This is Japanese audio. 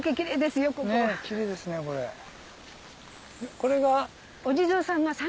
これが。